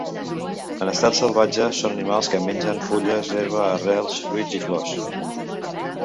En estat salvatge, són animals que mengen fulles, herba, arrels, fruits i flors.